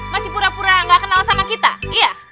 masih pura pura nggak kenal sama kita iya